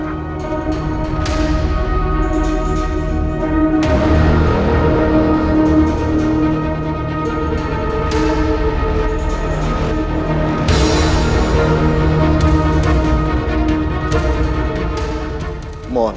bukti orang ini